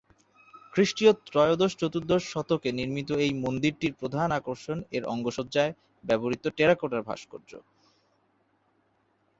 খ্রিস্টীয় ত্রয়োদশ-চতুর্দশ শতকে নির্মিত এই মন্দিরটির প্রধান আকর্ষণ এর অঙ্গসজ্জায় ব্যবহৃত টেরাকোটার ভাস্কর্য।